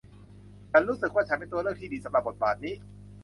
ฉันรู้สึกว่าฉันเป็นตัวเลือกที่ดีสำหรับบทบาทนี้